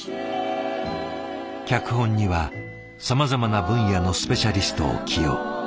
脚本にはさまざまな分野のスペシャリストを起用。